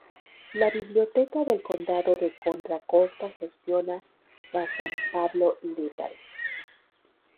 La Biblioteca del Condado de Contra Costa gestiona la San Pablo Library.